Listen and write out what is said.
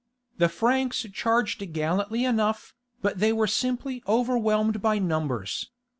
The Franks charged gallantly enough, but they were simply overwhelmed by numbers.